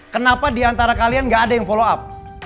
kenapa di antara kalian nggak ada yang follow up